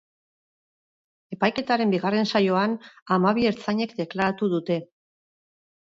Epaiketaren bigarren saioan hamabi ertzainek deklaratu dute.